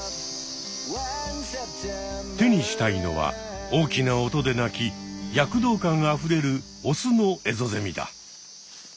手にしたいのは大きな音で鳴きやく動感あふれるオスのエゾゼミだ。